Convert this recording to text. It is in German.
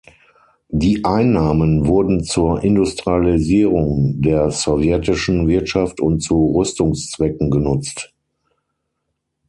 Die Einnahmen wurden zur Industrialisierung der sowjetischen Wirtschaft und zu Rüstungszwecken genutzt.